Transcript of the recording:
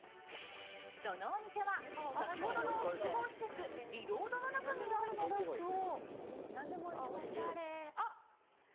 そのお店は、先ほどの複合施設リロードの中にあるのだそう。